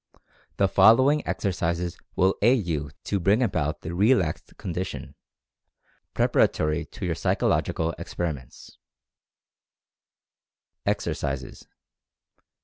The following exercises will aid you to bring about the relaxed con dition, preparatory to your psychological experiments : Exercises.